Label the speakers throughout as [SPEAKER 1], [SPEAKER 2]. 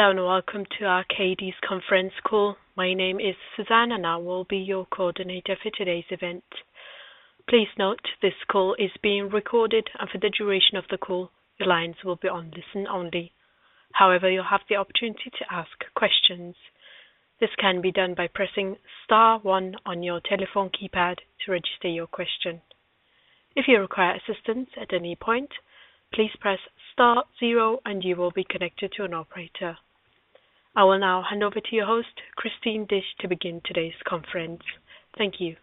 [SPEAKER 1] Hello and welcome to Arcadis conference call. My name is Suzanne, and I will be your coordinator for today's event. Please note this call is being recorded, and for the duration of the call, your lines will be on listen-only. However, you'll have the opportunity to ask questions. This can be done by pressing star one on your telephone keypad to register your question. If you require assistance at any point, please press star zero and you will be connected to an operator. I will now hand over to your host, Christine Disch, to begin today's conference. Thank you.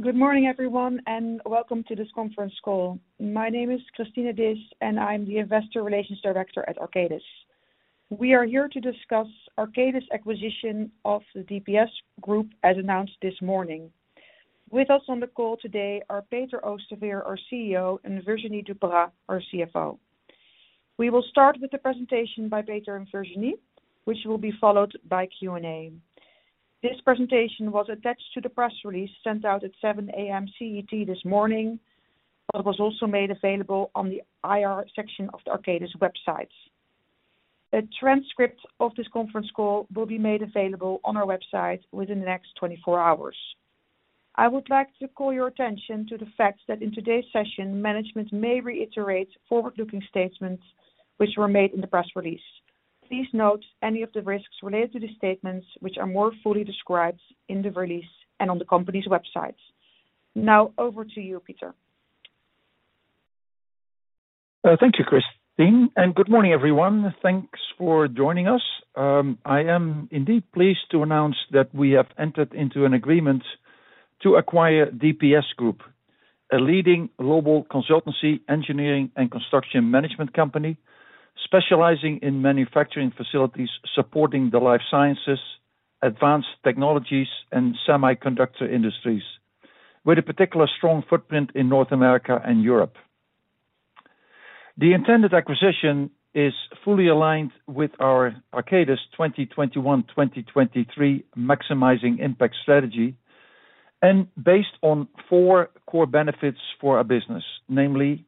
[SPEAKER 2] Good morning, everyone, and welcome to this conference call. My name is Christine Disch, and I'm the investor relations director at Arcadis. We are here to discuss Arcadis acquisition of the DPS Group as announced this morning. With us on the call today are Peter Oosterveer, our CEO, and Virginie Duperat-Vergne, our CFO. We will start with the presentation by Peter and Virginie, which will be followed by Q&A. This presentation was attached to the press release sent out at 7 A.M. CET this morning, but was also made available on the IR section of the Arcadis websites. A transcript of this conference call will be made available on our website within the next 24 hours. I would like to call your attention to the fact that in today's session, management may reiterate forward-looking statements which were made in the press release. Please note any of the risks related to the statements which are more fully described in the release and on the company's websites. Now over to you, Peter.
[SPEAKER 3] Thank you, Christine, and good morning, everyone. Thanks for joining us. I am indeed pleased to announce that we have entered into an agreement to acquire DPS Group, a leading global consultancy engineering and construction management company specializing in manufacturing facilities supporting the life sciences, advanced technologies, and semiconductor industries with a particular strong footprint in North America and Europe. The intended acquisition is fully aligned with our Arcadis 2021-2023 maximizing impact strategy and based on four core benefits for our business. Namely,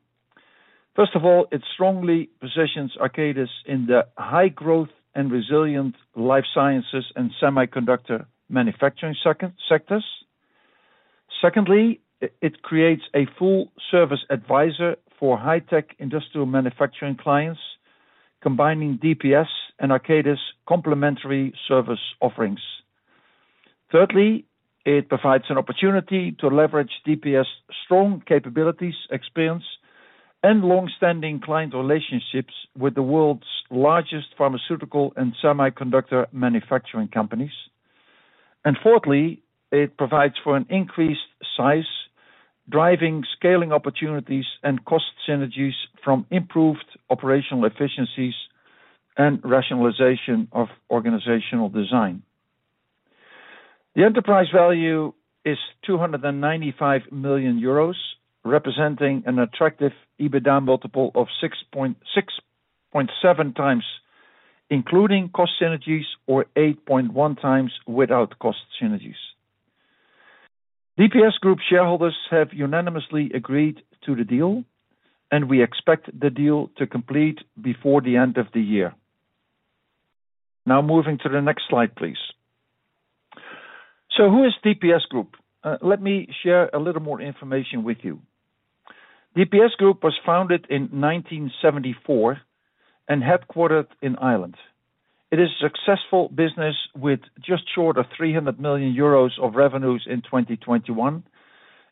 [SPEAKER 3] first of all, it strongly positions Arcadis in the high growth and resilient life sciences and semiconductor manufacturing sectors. Secondly, it creates a full-service advisor for high-tech industrial manufacturing clients combining DPS and Arcadis complementary service offerings. Thirdly, it provides an opportunity to leverage DPS's strong capabilities, experience, and long-standing client relationships with the world's largest pharmaceutical and semiconductor manufacturing companies. Fourthly, it provides for an increased size, driving scaling opportunities and cost synergies from improved operational efficiencies and rationalization of organizational design. The enterprise value is 295 million euros, representing an attractive EBITDA multiple of 6.7x, including cost synergies, or 8.1x without cost synergies. DPS Group shareholders have unanimously agreed to the deal, and we expect the deal to complete before the end of the year. Now moving to the next slide, please. Who is DPS Group? Let me share a little more information with you. DPS Group was founded in 1974 and headquartered in Ireland. It is successful business with just short of 300 million euros of revenues in 2021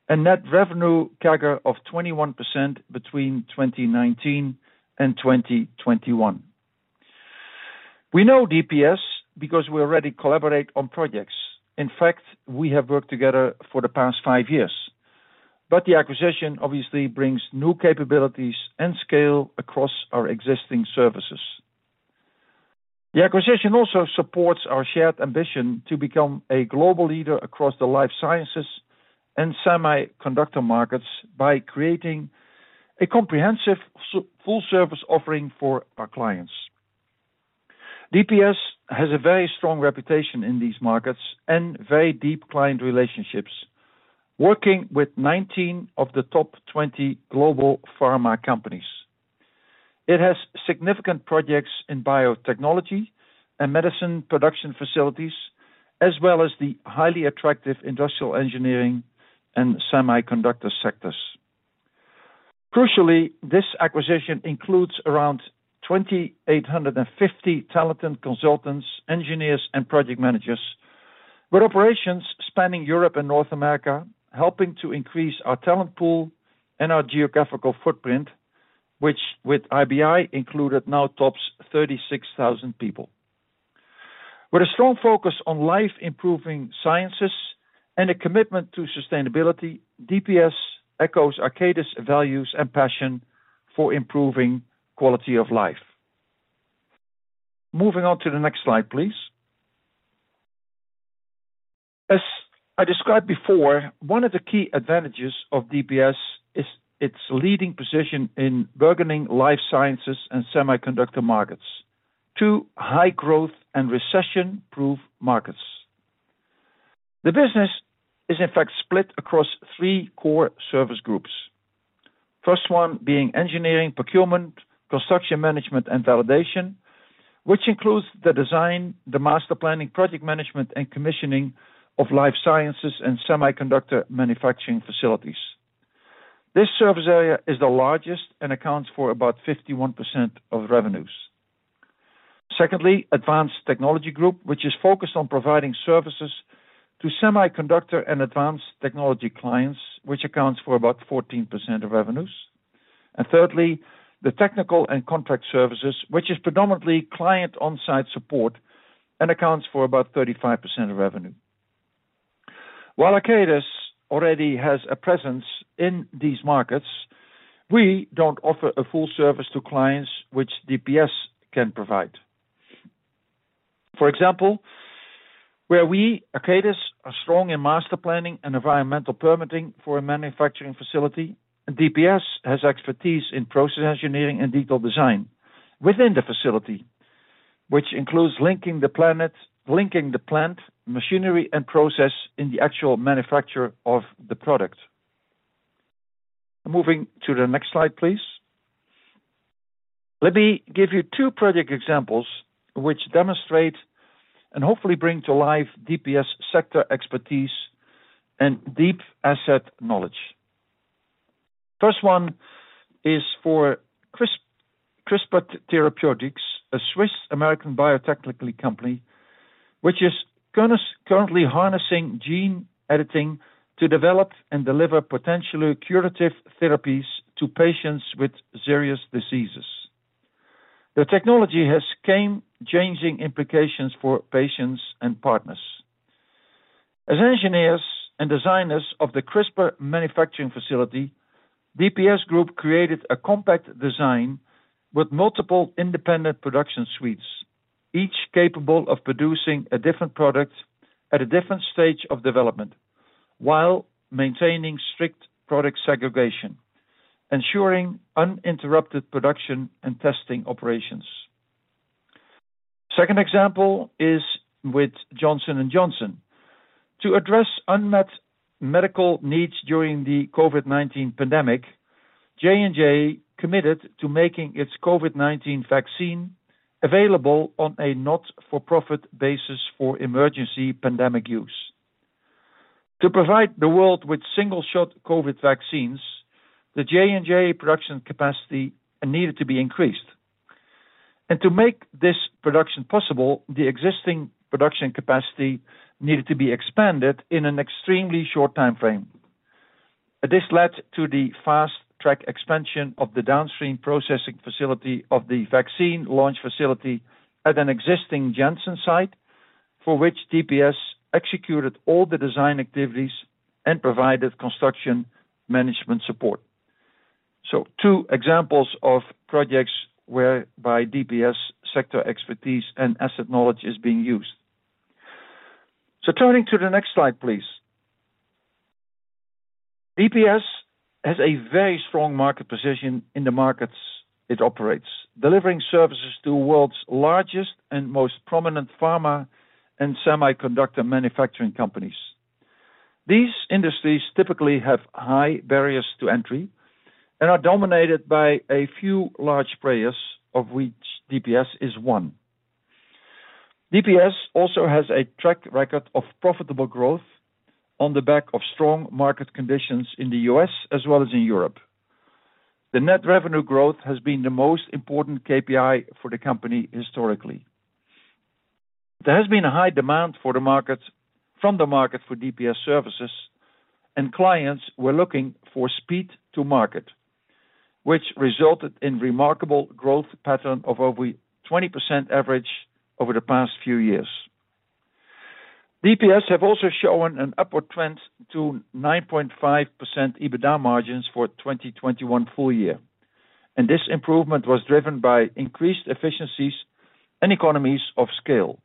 [SPEAKER 3] and net revenue CAGR of 21% between 2019 and 2021. We know DPS because we already collaborate on projects. In fact, we have worked together for the past five years. The acquisition obviously brings new capabilities and scale across our existing services. The acquisition also supports our shared ambition to become a global leader across the life sciences and semiconductor markets by creating a comprehensive full-service offering for our clients. DPS has a very strong reputation in these markets and very deep client relationships, working with 19 of the top 20 global pharma companies. It has significant projects in biotechnology and medicine production facilities, as well as the highly attractive industrial engineering and semiconductor sectors. Crucially, this acquisition includes around 2,850 talented consultants, engineers, and project managers with operations spanning Europe and North America, helping to increase our talent pool and our geographical footprint, which with IBI included now tops 36,000 people. With a strong focus on life sciences and a commitment to sustainability, DPS echoes Arcadis values and passion for improving quality of life. Moving on to the next slide, please. As I described before, one of the key advantages of DPS is its leading position in burgeoning life sciences and semiconductor markets, two high growth and recession-proof markets. The business is in fact split across three core service groups. First one being engineering, procurement, construction management, and validation, which includes the design, the master planning, project management, and commissioning of life sciences and semiconductor manufacturing facilities. This service area is the largest and accounts for about 51% of revenues. Secondly, advanced technology group, which is focused on providing services to semiconductor and advanced technology clients, which accounts for about 14% of revenues. Thirdly, the technical and contract services, which is predominantly client on-site support and accounts for about 35% of revenue. While Arcadis already has a presence in these markets, we don't offer a full service to clients which DPS can provide. For example, where we, Arcadis, are strong in master planning and environmental permitting for a manufacturing facility, and DPS has expertise in process engineering and detail design within the facility, which includes linking the plant, machinery, and process in the actual manufacture of the product. Moving to the next slide, please. Let me give you 2 project examples which demonstrate and hopefully bring to life DPS sector expertise and deep asset knowledge. First one is for CRISPR Therapeutics, a Swiss-American biotech company, which is currently harnessing gene editing to develop and deliver potentially curative therapies to patients with serious diseases. The technology has game-changing implications for patients and partners. As engineers and designers of the CRISPR manufacturing facility, DPS Group created a compact design with multiple independent production suites, each capable of producing a different product at a different stage of development while maintaining strict product segregation, ensuring uninterrupted production and testing operations. Second example is with Johnson & Johnson. To address unmet medical needs during the COVID-19 pandemic, J&J committed to making its COVID-19 vaccine available on a not-for-profit basis for emergency pandemic use. To provide the world with single-shot COVID vaccines, the J&J production capacity needed to be increased. To make this production possible, the existing production capacity needed to be expanded in an extremely short time frame. This led to the fast track expansion of the downstream processing facility of the vaccine launch facility at an existing Janssen site, for which DPS executed all the design activities and provided construction management support. Two examples of projects whereby DPS sector expertise and asset knowledge is being used. Turning to the next slide, please. DPS has a very strong market position in the markets it operates, delivering services to world's largest and most prominent pharma and semiconductor manufacturing companies. These industries typically have high barriers to entry and are dominated by a few large players, of which DPS is one. DPS also has a track record of profitable growth on the back of strong market conditions in the U.S. as well as in Europe. The net revenue growth has been the most important KPI for the company historically. There has been a high demand from the market for DPS services, and clients were looking for speed to market, which resulted in remarkable growth pattern of over 20% average over the past few years. DPS have also shown an upward trend to 9.5% EBITDA margins for 2021 full year, and this improvement was driven by increased efficiencies and economies of scale.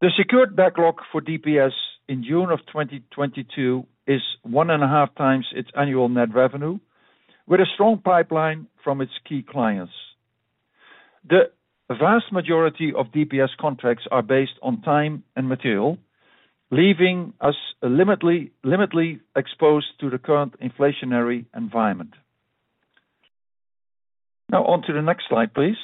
[SPEAKER 3] The secured backlog for DPS in June of 2022 is one and a half times its annual net revenue, with a strong pipeline from its key clients. The vast majority of DPS contracts are based on time and material, leaving us limitedly exposed to the current inflationary environment. Now on to the next slide, please.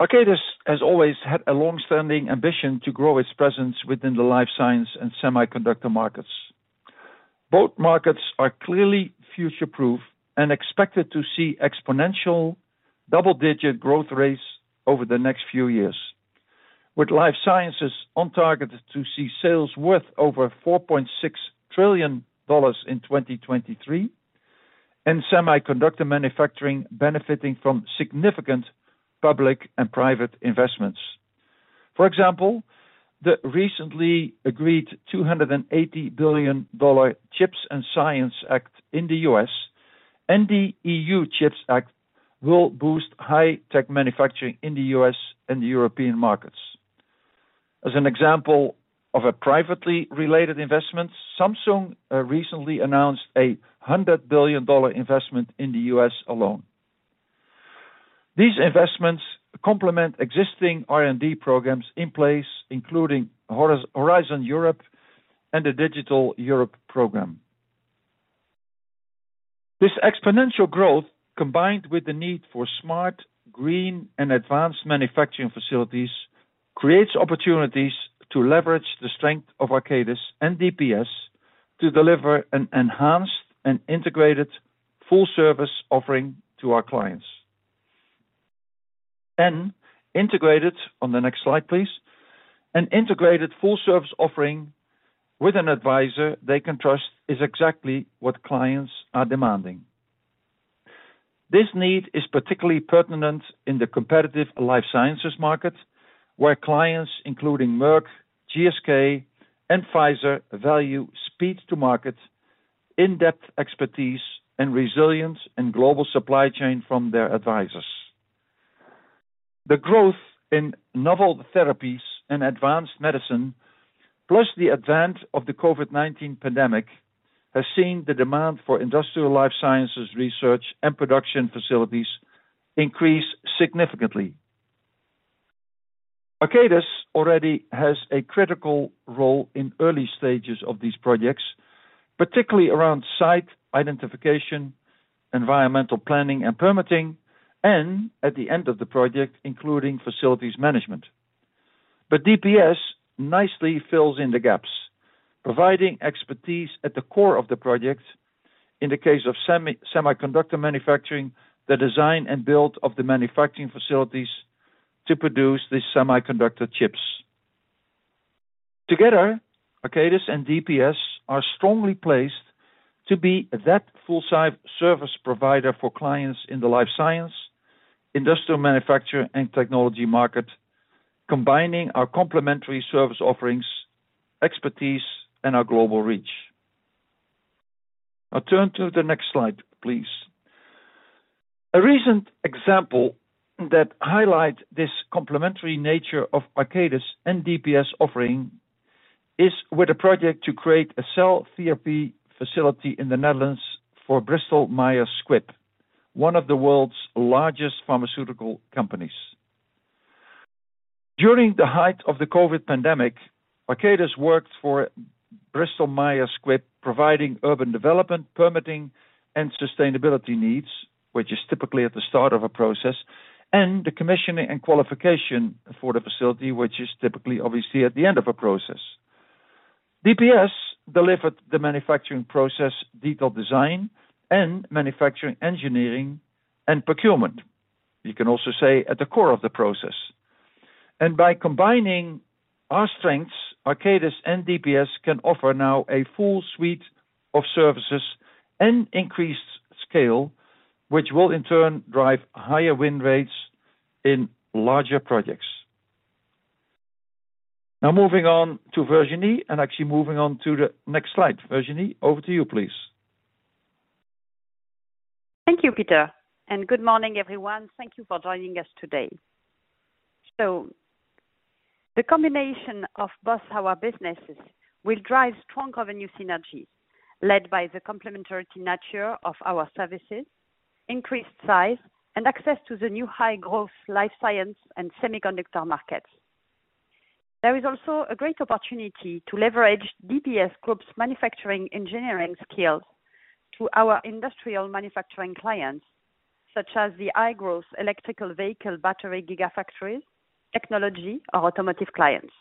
[SPEAKER 3] Arcadis has always had a long-standing ambition to grow its presence within the life science and semiconductor markets. Both markets are clearly future-proof and expected to see exponential double-digit growth rates over the next few years, with life sciences on target to see sales worth over $4.6 trillion in 2023, and semiconductor manufacturing benefiting from significant public and private investments. For example, the recently agreed $280 billion CHIPS and Science Act in the US and the EU Chips Act will boost high tech manufacturing in the US and the European markets. As an example of a private investment, Samsung recently announced a $100 billion investment in the US alone. These investments complement existing R&D programs in place, including Horizon Europe and the Digital Europe program. This exponential growth, combined with the need for smart, green and advanced manufacturing facilities, creates opportunities to leverage the strength of Arcadis and DPS to deliver an enhanced and integrated full service offering to our clients. On the next slide, please. An integrated full service offering with an advisor they can trust is exactly what clients are demanding. This need is particularly pertinent in the competitive life sciences market, where clients, including Merck, GSK, and Pfizer, value speed to market, in-depth expertise and resilience in global supply chain from their advisors. The growth in novel therapies and advanced medicine, plus the advent of the COVID-19 pandemic, has seen the demand for industrial life sciences research and production facilities increase significantly. Arcadis already has a critical role in early stages of these projects, particularly around site identification, environmental planning and permitting, and at the end of the project, including facilities management. DPS nicely fills in the gaps, providing expertise at the core of the project. In the case of semiconductor manufacturing, the design and build of the manufacturing facilities to produce these semiconductor chips. Together, Arcadis and DPS are strongly placed to be that full-service provider for clients in the life science, industrial manufacture and technology market, combining our complementary service offerings, expertise and our global reach. Now turn to the next slide, please. A recent example that highlight this complementary nature of Arcadis and DPS offering is with a project to create a cell therapy facility in the Netherlands for Bristol Myers Squibb, one of the world's largest pharmaceutical companies. During the height of the COVID pandemic, Arcadis worked for Bristol Myers Squibb, providing urban development, permitting and sustainability needs, which is typically at the start of a process, and the commissioning and qualification for the facility, which is typically, obviously, at the end of a process. DPS delivered the manufacturing process, detailed design and manufacturing engineering and procurement. You can also say at the core of the process. By combining our strengths, Arcadis and DPS can offer now a full suite of services and increased scale, which will in turn drive higher win rates in larger projects. Now moving on to Virginie and actually moving on to the next slide. Virginie, over to you please.
[SPEAKER 4] Thank you, Peter, and good morning everyone. Thank you for joining us today. The combination of both our businesses will drive strong revenue synergies led by the complementary nature of our services, increased size and access to the new high growth life science and semiconductor markets. There is also a great opportunity to leverage DPS Group's manufacturing engineering skills to our industrial manufacturing clients such as the high growth electric vehicle battery gigafactories, technology or automotive clients.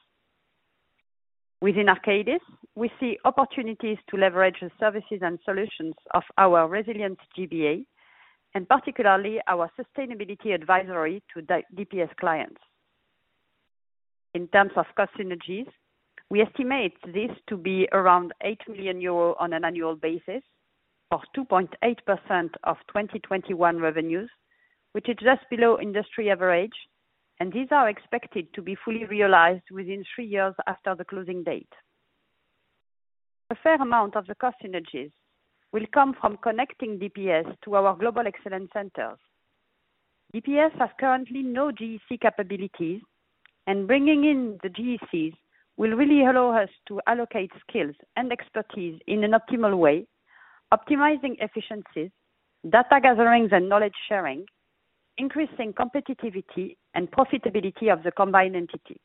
[SPEAKER 4] Within Arcadis, we see opportunities to leverage the services and solutions of our Resilience GBA and particularly our sustainability advisory to DPS clients. In terms of cost synergies, we estimate this to be around 8 million euros on an annual basis, or 2.8% of 2021 revenues, which is just below industry average, and these are expected to be fully realized within three years after the closing date. A fair amount of the cost synergies will come from connecting DPS to our global excellence centers. DPS has currently no GEC capabilities, and bringing in the GECs will really allow us to allocate skills and expertise in an optimal way, optimizing efficiencies, data gatherings and knowledge sharing, increasing competitiveness and profitability of the combined entity.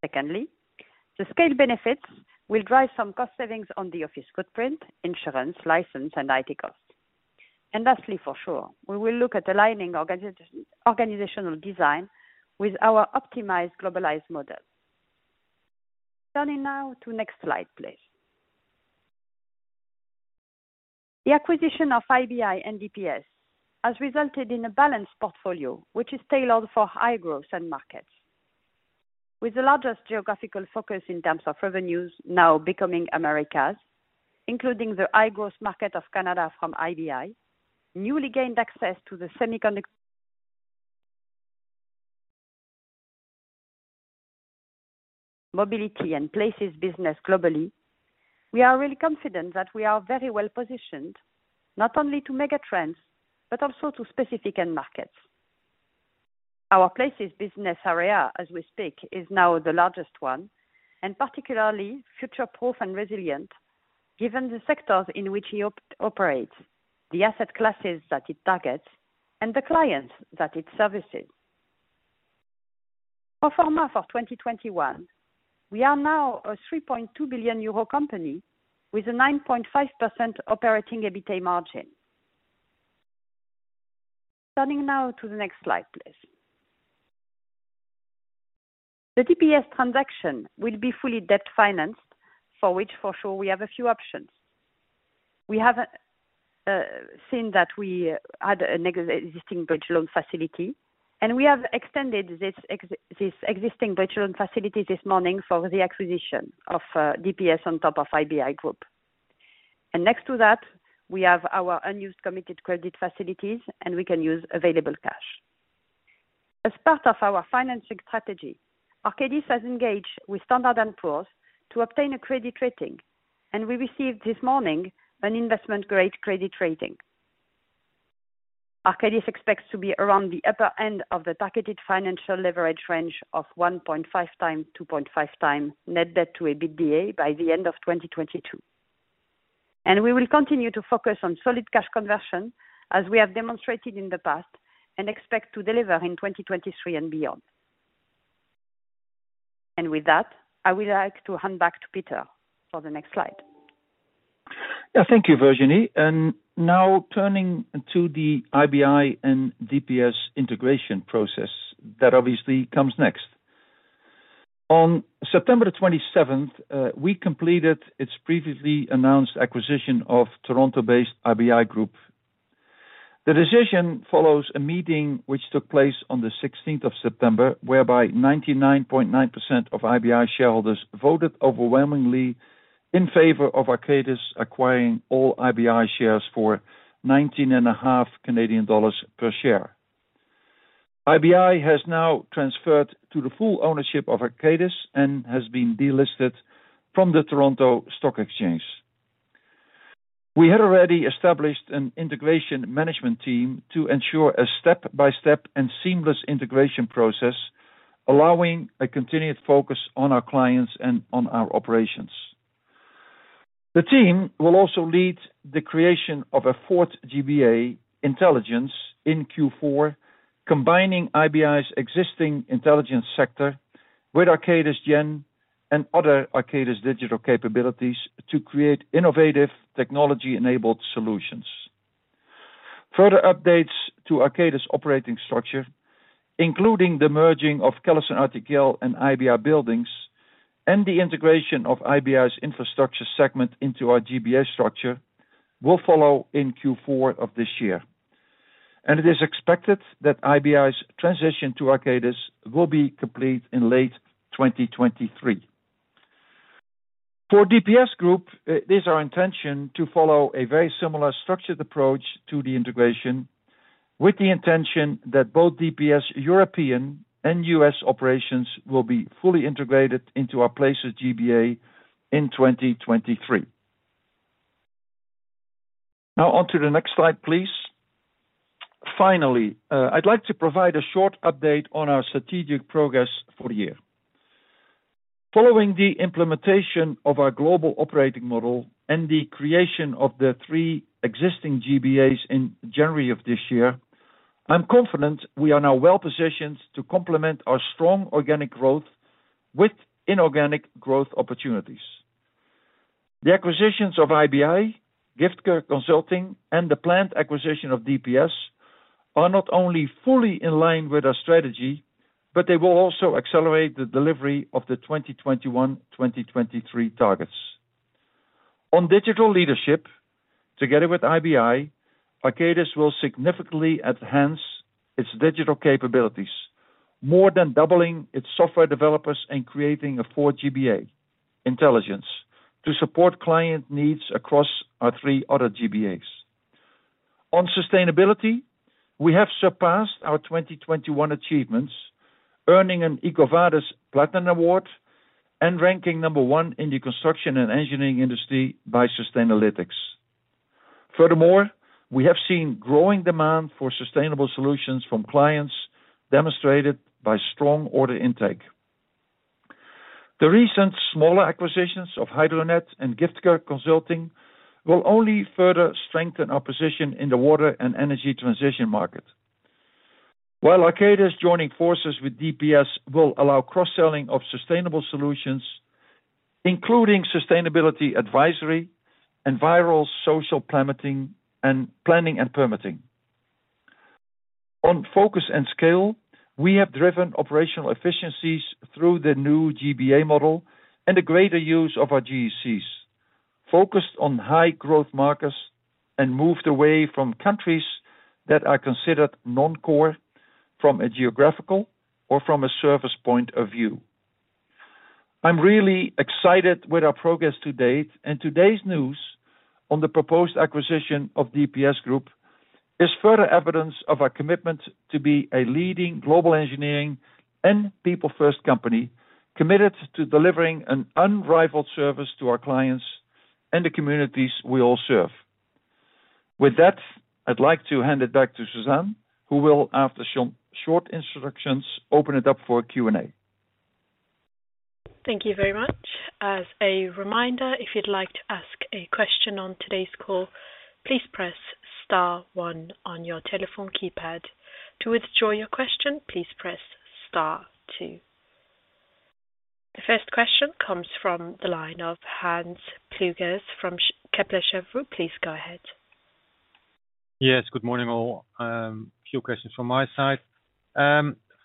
[SPEAKER 4] Secondly, the scale benefits will drive some cost savings on the office footprint, insurance, license and IT costs. Lastly, for sure, we will look at aligning organizational design with our optimized globalized model. Turning now to next slide, please. The acquisition of IBI and DPS has resulted in a balanced portfolio which is tailored for high growth end markets. With the largest geographical focus in terms of revenues now becoming Americas, including the high growth market of Canada from IBI, newly gained access to the mobility and places business globally. We are really confident that we are very well positioned, not only to mega trends, but also to specific end markets. Our Places business area, as we speak, is now the largest one, and particularly future-proof and resilient, given the sectors in which it operates, the asset classes that it targets, and the clients that it services. Pro forma for 2021, we are now a 3.2 billion euro company with a 9.5% operating EBITA margin. Turning now to the next slide, please. The DPS transaction will be fully debt financed, for which, for sure, we have a few options. We have seen that we had a non-existing bridge loan facility, and we have extended this existing bridge loan facility this morning for the acquisition of DPS on top of IBI Group. Next to that, we have our unused committed credit facilities, and we can use available cash. As part of our financing strategy, Arcadis has engaged with Standard & Poor's to obtain a credit rating, and we received this morning an investment-grade credit rating. Arcadis expects to be around the upper end of the targeted financial leverage range of 1.5x-2.5x net debt to EBITDA by the end of 2022. We will continue to focus on solid cash conversion as we have demonstrated in the past, and expect to deliver in 2023 and beyond. With that, I would like to hand back to Pieter for the next slide.
[SPEAKER 3] Yeah. Thank you, Virginie. Now turning to the IBI and DPS integration process that obviously comes next. On September 27, we completed its previously announced acquisition of Toronto-based IBI Group. The decision follows a meeting which took place on the 16th of September, whereby 99.9% of IBI shareholders voted overwhelmingly in favor of Arcadis acquiring all IBI shares for 19.5 Canadian dollars per share. IBI has now transferred to the full ownership of Arcadis and has been delisted from the Toronto Stock Exchange. We had already established an integration management team to ensure a step-by-step and seamless integration process, allowing a continued focus on our clients and on our operations. The team will also lead the creation of a fourth GBA intelligence in Q4, combining IBI's existing intelligence sector with Arcadis GEAN and other Arcadis digital capabilities to create innovative technology-enabled solutions. Further updates to Arcadis operating structure, including the merging of CallisonRTKL and IBI Group Buildings, and the integration of IBI Group's infrastructure segment into our GBA structure, will follow in Q4 of this year. It is expected that IBI Group's transition to Arcadis will be complete in late 2023. For DPS Group, it is our intention to follow a very similar structured approach to the integration, with the intention that both DPS European and U.S. operations will be fully integrated into our Places GBA in 2023. Now on to the next slide, please. Finally, I'd like to provide a short update on our strategic progress for the year. Following the implementation of our global operating model and the creation of the three existing GBAs in January of this year, I'm confident we are now well-positioned to complement our strong organic growth with inorganic growth opportunities. The acquisitions of IBI, Giftge Consult, and the planned acquisition of DPS are not only fully in line with our strategy, but they will also accelerate the delivery of the 2021/2023 targets. On digital leadership, together with IBI, Arcadis will significantly enhance its digital capabilities, more than doubling its software developers and creating a fourth GBA, Intelligence, to support client needs across our three other GBAs. On sustainability, we have surpassed our 2021 achievements, earning an EcoVadis Platinum award and ranking number one in the construction and engineering industry by Sustainalytics. Furthermore, we have seen growing demand for sustainable solutions from clients demonstrated by strong order intake. The recent smaller acquisitions of HydroNET and Giftge Consult will only further strengthen our position in the water and energy transition market. While Arcadis joining forces with DPS will allow cross-selling of sustainable solutions, including sustainability advisory, environmental, social, governance, and planning and permitting. On focus and scale, we have driven operational efficiencies through the new GBA model and the greater use of our GECs, focused on high growth markets and moved away from countries that are considered non-core from a geographical or from a service point of view. I'm really excited with our progress to date, and today's news on the proposed acquisition of DPS Group is further evidence of our commitment to be a leading global engineering and people first company, committed to delivering an unrivaled service to our clients and the communities we all serve. With that, I'd like to hand it back to Suzanne, who will, after some short introductions, open it up for Q&A.
[SPEAKER 1] Thank you very much. As a reminder, if you'd like to ask a question on today's call, please press star one on your telephone keypad. To withdraw your question, please press star two. The first question comes from the line of Hans Pluijgers from Kepler Cheuvreux. Please go ahead.
[SPEAKER 5] Yes, good morning all. Few questions from my side.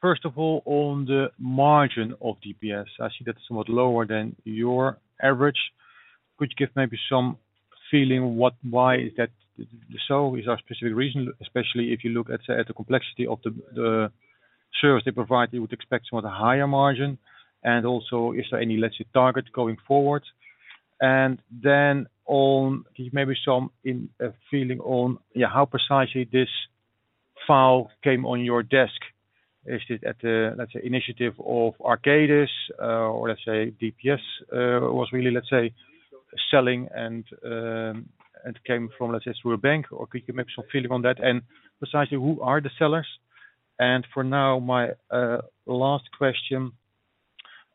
[SPEAKER 5] First of all, on the margin of DPS, I see that's somewhat lower than your average, which give maybe some feeling why is that so? Is there a specific reason, especially if you look at the complexity of the service they provide, you would expect sort of higher margin and also is there any, let's say, target going forward? On give maybe some a feeling on, yeah, how precisely this deal came on your desk. Is it at the, let's say, initiative of Arcadis, or let's say, DPS was really, let's say, selling and came from, let's say, through a bank? Or could you give maybe some feeling on that? Precisely who are the sellers? For now, my last question,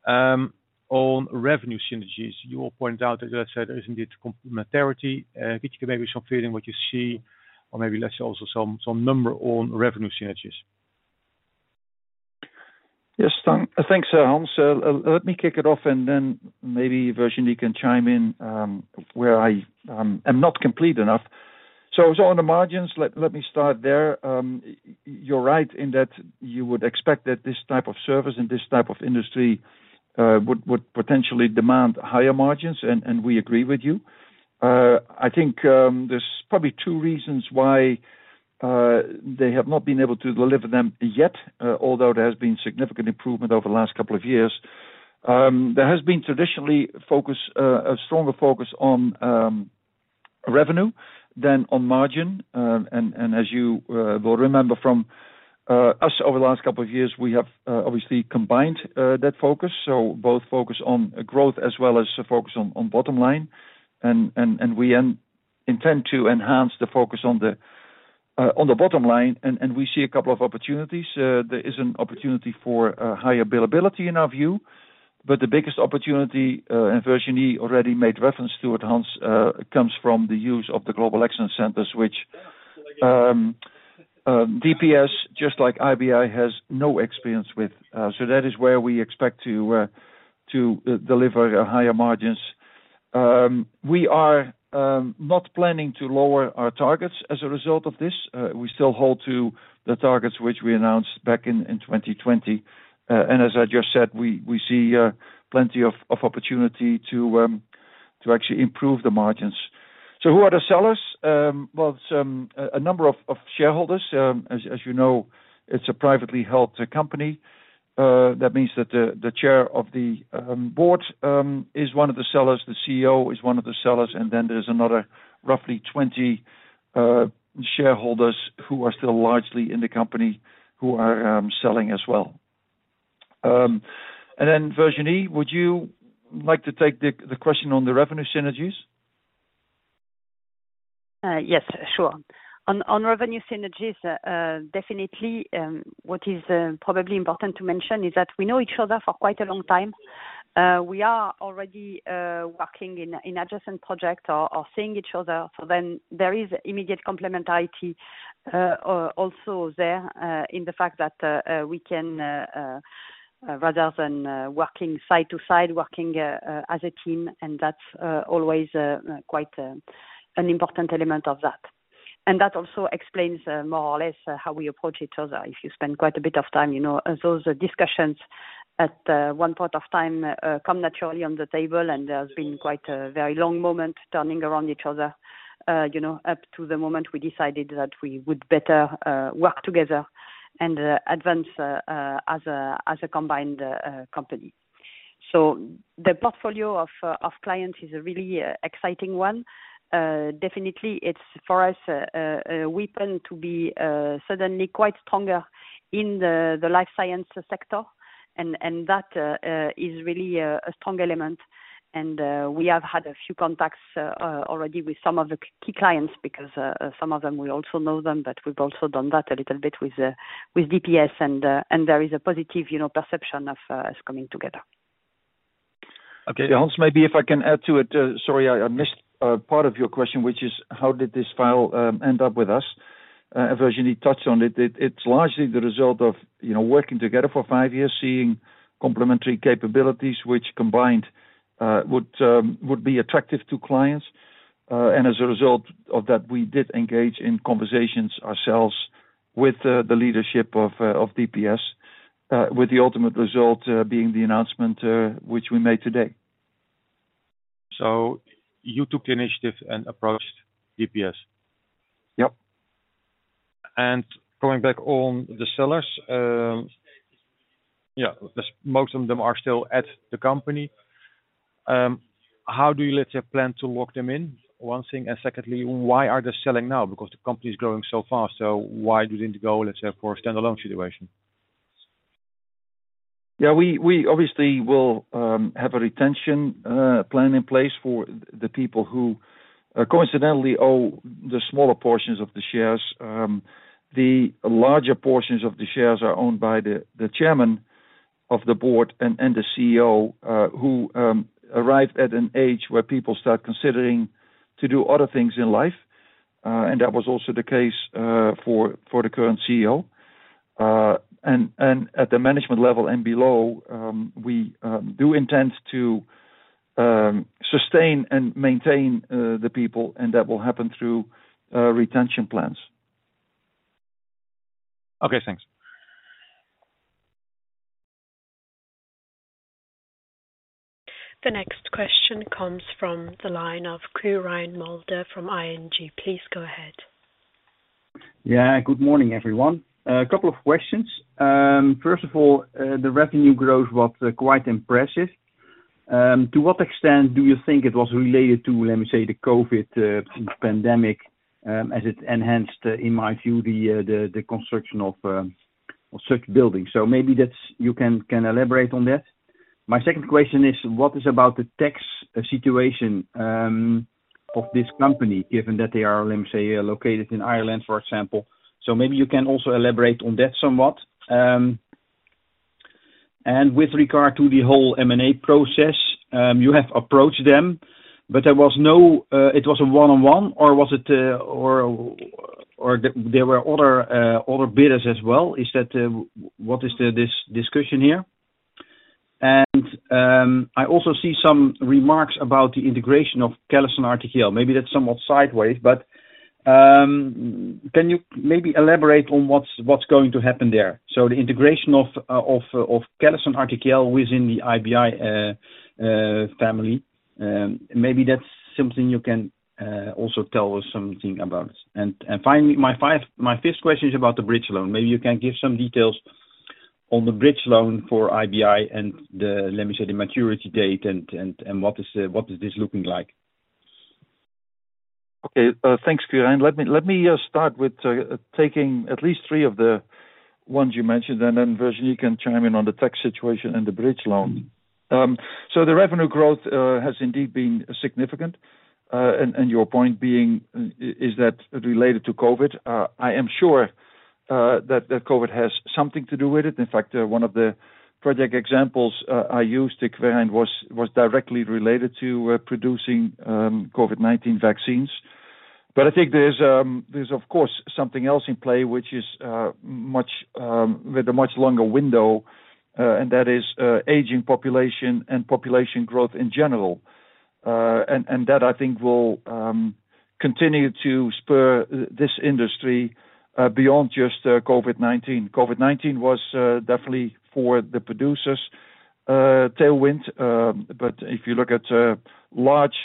[SPEAKER 5] on revenue synergies. You all pointed out, as I said, there is indeed complementarity. Could you give maybe some feeling what you see or maybe let's say also some number on revenue synergies?
[SPEAKER 3] Yes, thanks, Hans. Let me kick it off and then maybe Virginie can chime in, where I am not complete enough. As on the margins, let me start there. You're right in that you would expect that this type of service and this type of industry would potentially demand higher margins, and we agree with you. I think there's probably two reasons why they have not been able to deliver them yet, although there has been significant improvement over the last couple of years. There has been a stronger focus on revenue than on margin. As you will remember from us over the last couple of years, we have obviously combined that focus. Both focus on growth as well as a focus on bottom line. We intend to enhance the focus on the bottom line, and we see a couple of opportunities. There is an opportunity for higher availability in our view, but the biggest opportunity, and Virginie already made reference to it, Hans, comes from the use of the Global Excellence Centers, which DPS just like IBI has no experience with. That is where we expect to deliver higher margins. We are not planning to lower our targets as a result of this. We still hold to the targets which we announced back in 2020. As I just said, we see plenty of opportunity to actually improve the margins. Who are the sellers? Well, it's a number of shareholders. As you know, it's a privately-held company. That means that the chair of the board is one of the sellers, the CEO is one of the sellers, and then there's another roughly 20 shareholders who are still largely in the company who are selling as well. And then Virginie, would you like to take the question on the revenue synergies?
[SPEAKER 4] Yes, sure. On revenue synergies, definitely, what is probably important to mention is that we know each other for quite a long time. We are already working in adjacent projects or seeing each other. There is immediate complementarity, also there, in the fact that we can rather than working side to side, working as a team, and that's always quite an important element of that. That also explains, more or less, how we approach each other. If you spend quite a bit of time those discussions at one point of time come naturally on the table, and there's been quite a very long moment turning around each other up to the moment we decided that we would better work together and advance as a combined company. The portfolio of clients is a really exciting one. Definitely it's for us weapon to be suddenly quite stronger in the life science sector. That is really a strong element. We have had a few contacts already with some of the key clients because some of them we also know them, but we've also done that a little bit with DPS. there is a positive perception of us, coming together.
[SPEAKER 3] Okay. Hans, maybe if I can add to it. Sorry, I missed part of your question, which is how did this deal end up with us? Virginie touched on it. It's largely the result of working together for five years, seeing complementary capabilities which combined would be attractive to clients. As a result of that, we did engage in conversations ourselves with the leadership of DPS, with the ultimate result being the announcement which we made today.
[SPEAKER 5] You took the initiative and approached DPS?
[SPEAKER 3] Yep.
[SPEAKER 5] Going back on the sellers. Yeah. Most of them are still at the company. How do you, let's say, plan to lock them in, one thing, and secondly, why are they selling now? Because the company is growing so fast, so why didn't you go, let's say, for a standalone situation?
[SPEAKER 3] Yeah. We obviously will have a retention plan in place for the people who coincidentally own the smaller portions of the shares. The larger portions of the shares are owned by the Chairman of the Board and the CEO who arrived at an age where people start considering to do other things in life. That was also the case for the current CEO. At the management level and below, we do intend to sustain and maintain the people, and that will happen through retention plans.
[SPEAKER 5] Okay. Thanks.
[SPEAKER 1] The next question comes from the line of Quirijn Mulder from ING. Please go ahead.
[SPEAKER 6] Yeah. Good morning, everyone. A couple of questions. First of all, the revenue growth was quite impressive. To what extent do you think it was related to, let me say, the COVID pandemic as it enhanced, in my view, the construction of such buildings? So maybe you can elaborate on that. My second question is what about the tax situation of this company, given that they are, let me say, located in Ireland, for example. So maybe you can also elaborate on that somewhat. With regard to the whole M&A process, you have approached them, but it was a one-on-one or was it, or there were other bidders as well? What is the discussion here? I also see some remarks about the integration of CallisonRTKL. Maybe that's somewhat sideways, but can you maybe elaborate on what's going to happen there? The integration of CallisonRTKL within the IBI family. Maybe that's something you can also tell us something about. Finally, my fifth question is about the bridge loan. Maybe you can give some details on the bridge loan for IBI and the, let me say, the maturity date and what is this looking like?
[SPEAKER 3] Okay. Thanks, Quirijn. Let me start with taking at least three of the ones you mentioned, and then Virginie can chime in on the tax situation and the bridge loan. The revenue growth has indeed been significant, and your point being is that related to COVID? I am sure that COVID has something to do with it. In fact, one of the project examples I used, Quirijn, was directly related to producing COVID-19 vaccines. I think there's of course something else in play, which is much with a much longer window, and that is aging population and population growth in general. That, I think, will continue to spur this industry beyond just COVID-19. COVID-19 was definitely for the producers' tailwind, but if you look at large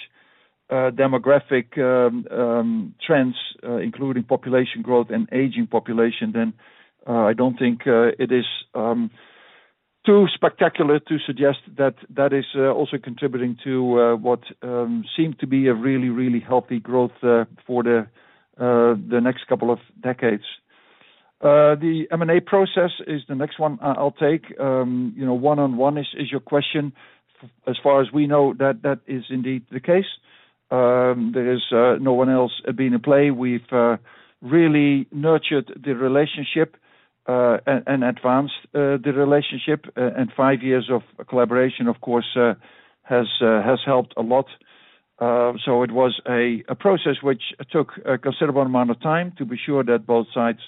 [SPEAKER 3] demographic trends, including population growth and aging population, then I don't think it is too spectacular to suggest that that is also contributing to what seems to be a really, really healthy growth for the next couple of decades. The M&A process is the next one I'll take. You know, one-on-one is your question. As far as we know that is indeed the case. There is no one else been in play. We've really nurtured the relationship and advanced the relationship. And five years of collaboration, of course, has helped a lot. It was a process which took a considerable amount of time to be sure that both sides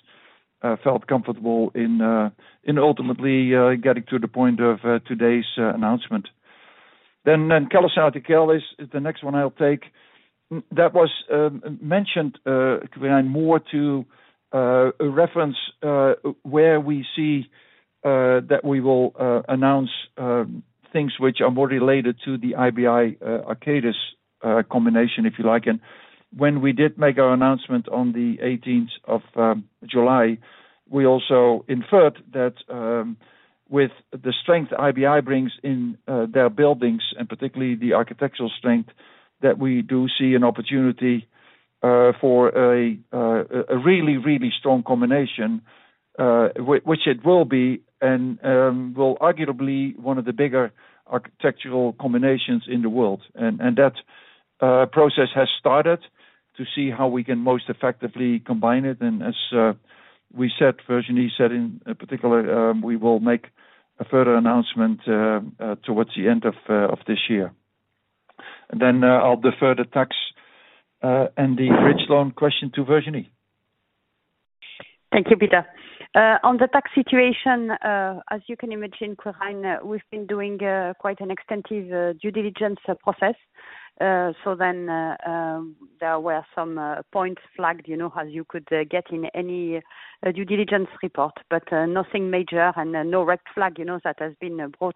[SPEAKER 3] felt comfortable in ultimately getting to the point of today's announcement. CallisonRTKL is the next one I'll take. That was mentioned, Quirijn, more to a reference where we see that we will announce things which are more related to the IBI Arcadis combination, if you like. When we did make our announcement on the eighteenth of July, we also inferred that with the strength IBI brings in their buildings, and particularly the architectural strength, that we do see an opportunity for a really strong combination which it will be, well, arguably one of the bigger architectural combinations in the world. that process has started to see how we can most effectively combine it. As we said, Virginie said in particular, we will make a further announcement towards the end of this year. I'll defer the tax and the bridge loan question to Virginie.
[SPEAKER 4] Thank you, Pieter. On the tax situation, as you can imagine, Quirijn, we've been doing quite an extensive due diligence process. There were some points flagged as you could get in any due diligence report, but nothing major and no red flag that has been brought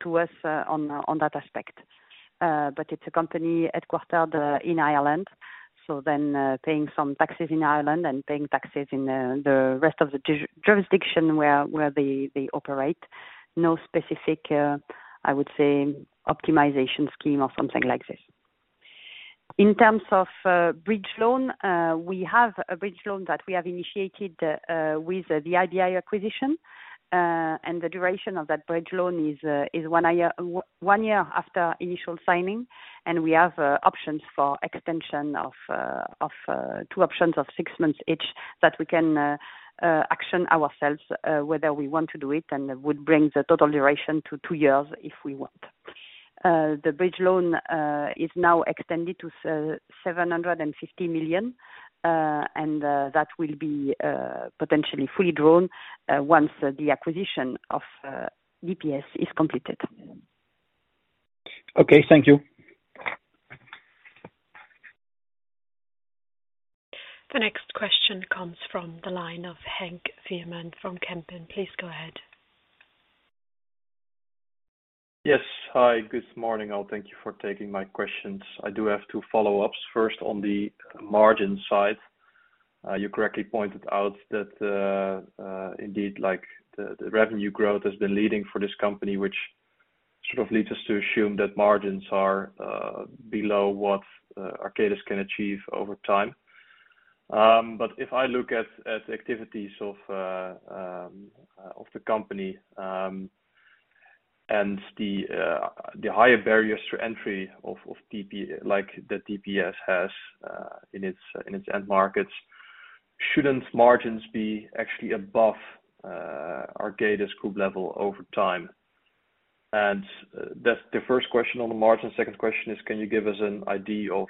[SPEAKER 4] to us on that aspect. It's a company headquartered in Ireland. Paying some taxes in Ireland and paying taxes in the rest of the jurisdiction where they operate. No specific, I would say optimization scheme or something like this. In terms of bridge loan, we have a bridge loan that we have initiated with the IBI acquisition. The duration of that bridge loan is one year after initial signing. We have options for extension of two options of six months each that we can action ourselves whether we want to do it and would bring the total duration to two years if we want. The bridge loan is now extended to 750 million. That will be potentially fully drawn once the acquisition of DPS is completed.
[SPEAKER 6] Okay, thank you.
[SPEAKER 1] The next question comes from the line of Henk Veerman from Kempen. Please go ahead.
[SPEAKER 7] Yes. Hi, good morning, all. Thank you for taking my questions. I do have two follow-ups. First, on the margin side, you correctly pointed out that, indeed, like the revenue growth has been leading for this company, which sort of leads us to assume that margins are below what Arcadis can achieve over time. If I look at activities of the company, and the higher barriers to entry of DPS like the DPS has in its end markets, shouldn't margins be actually above Arcadis group level over time? And that's the first question on the margin. Second question is can you give us an idea of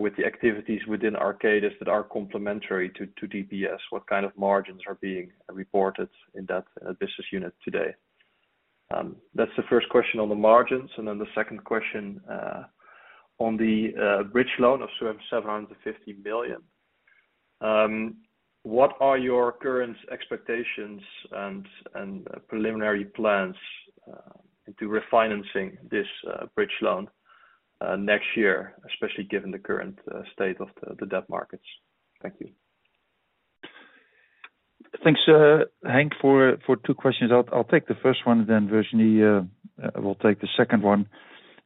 [SPEAKER 7] with the activities within Arcadis that are complementary to DPS, what kind of margins are being reported in that business unit today? That's the first question on the margins. Then the second question on the bridge loan of 750 million. What are your current expectations and preliminary plans to refinancing this bridge loan next year, especially given the current state of the debt markets? Thank you.
[SPEAKER 3] Thanks, Henk, for two questions. I'll take the first one, then Virginie will take the second one.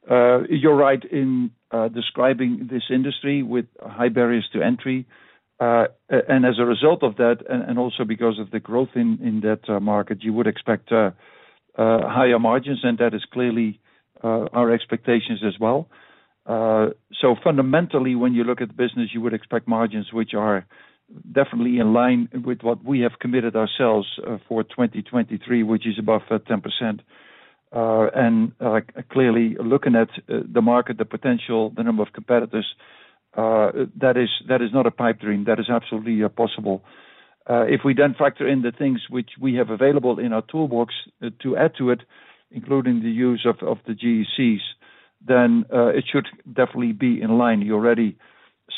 [SPEAKER 3] You're right in describing this industry with high barriers to entry. As a result of that, and also because of the growth in that market, you would expect higher margins, and that is clearly our expectations as well. Fundamentally, when you look at the business, you would expect margins which are definitely in line with what we have committed ourselves for 2023, which is above 10%. Clearly looking at the market, the potential, the number of competitors, that is not a pipe dream. That is absolutely possible. If we factor in the things which we have available in our toolbox, to add to it, including the use of the GECs, it should definitely be in line. You already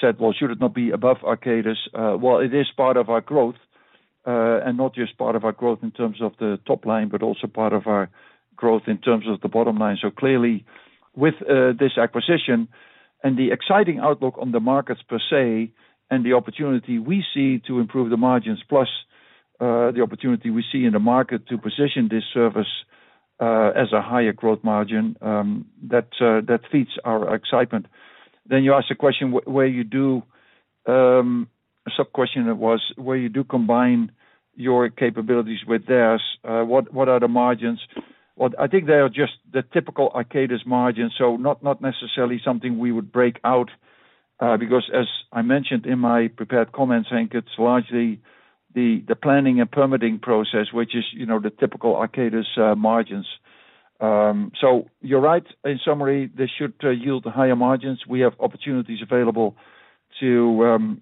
[SPEAKER 3] said, well, should it not be above Arcadis? Well, it is part of our growth, and not just part of our growth in terms of the top line, but also part of our growth in terms of the bottom line. Clearly with this acquisition and the exciting outlook on the markets per se, and the opportunity we see to improve the margins, plus the opportunity we see in the market to position this service as a higher growth margin, that feeds our excitement. You ask a question where you combine your capabilities with theirs, what are the margins? Well, I think they are just the typical Arcadis margin, so not necessarily something we would break out, because as I mentioned in my prepared comments, I think it's largely the planning and permitting process, which is the typical Arcadis margins. So you're right. In summary, they should yield higher margins. We have opportunities available to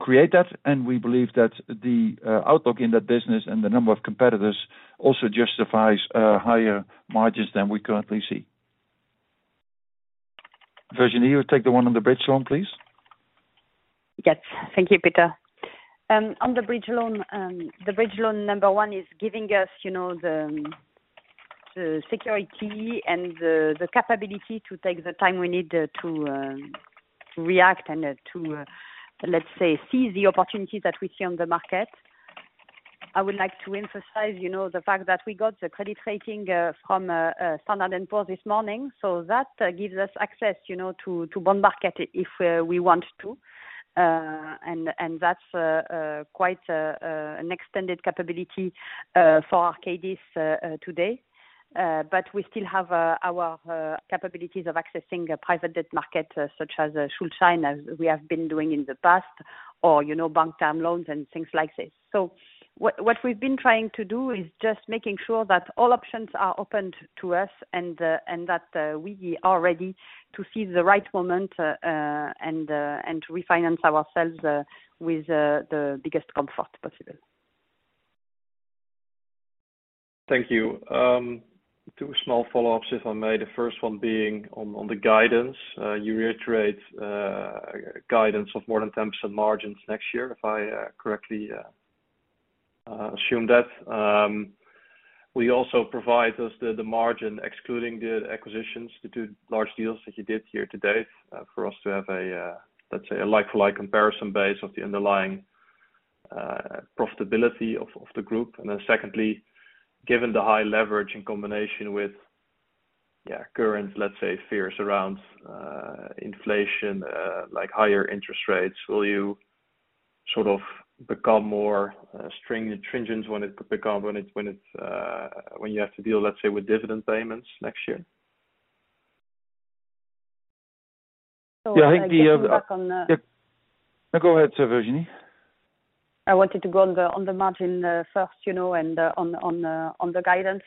[SPEAKER 3] create that. We believe that the outlook in that business and the number of competitors also justifies higher margins than we currently see. Virginie, you take the one on the bridge loan, please.
[SPEAKER 4] Yes. Thank you, Pieter. On the bridge loan, the bridge loan number one is giving us the security and the capability to take the time we need to react and to, let's say, seize the opportunities that we see on the market. I would like to emphasize the fact that we got the credit rating from Standard & Poor's this morning. That gives us access to bond market if we want to. And that's quite an extended capability for Arcadis today. We still have our capabilities of accessing a private debt market, such as Schuldschein, we have been doing in the past or bank term loans and things like this. What we've been trying to do is just making sure that all options are open to us and that we are ready to seize the right moment and to refinance ourselves with the biggest comfort possible.
[SPEAKER 7] Thank you. Two small follow-ups, if I may. The first one being on the guidance. You reiterate guidance of more than 10% margins next year, if I correctly assume that you also provide the margin excluding the acquisitions and the large deals that you did to date, for us to have a let's say a like-for-like comparison base of the underlying profitability of the group. Then secondly, given the high leverage in combination with current, let's say, fears around inflation, like higher interest rates, will you sort of become more stringent when you have to deal, let's say, with dividend payments next year?
[SPEAKER 3] Yeah, I think.
[SPEAKER 4] Just to come back on.
[SPEAKER 3] Yeah. No, go ahead, Virginie.
[SPEAKER 4] I wanted to go on the margin first and on the guidance.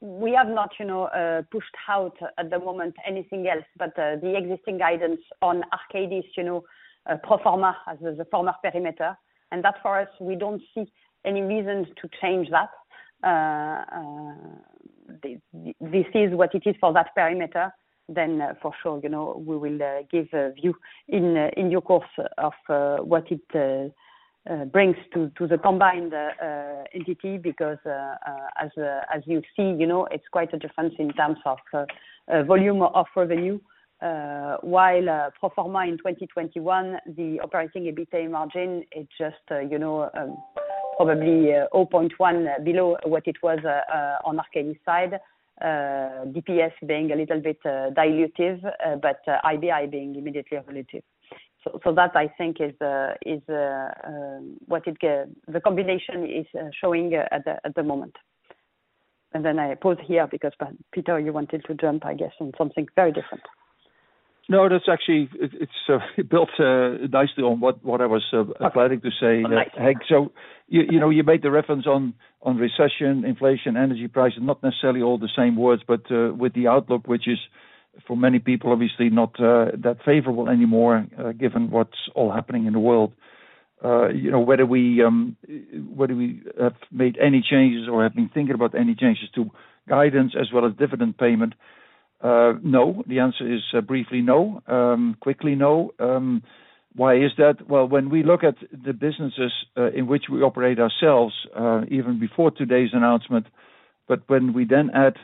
[SPEAKER 4] We have not pushed out at the moment anything else but the existing guidance on arcadis pro forma as the former perimeter, and that for us, we don't see any reasons to change that. This is what it is for that perimeter. For sure we will give a view in due course of what it brings to the combined entity because, as you see it's quite a difference in terms of volume of revenue. While pro forma in 2021, the operating EBITA margin is just probably 0.1% below what it was on Arcadis side. DPS being a little bit dilutive, but IBI being immediately accretive. So that I think is what the combination is showing at the moment. Then I pause here because Peter, you wanted to jump, I guess, on something very different.
[SPEAKER 3] No, that's actually. It's built nicely on what I was planning to say.
[SPEAKER 4] Oh, nice.
[SPEAKER 3] You know, you made the reference on recession, inflation, energy prices, not necessarily all the same words, but with the outlook, which is for many people obviously not that favorable anymore, given what's all happening in the world. You know, whether we have made any changes or have been thinking about any changes to guidance as well as dividend payment. No. The answer is briefly no. Quickly no. Why is that? Well, when we look at the businesses in which we operate ourselves, even before today's announcement, but when we then add